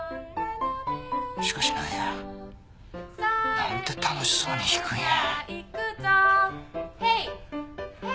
しかし何や？なんて楽しそうに弾くんや